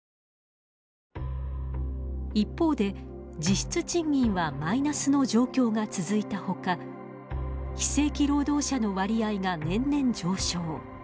一方で、実質賃金はマイナスの状況が続いたほか非正規労働者の割合が年々上昇。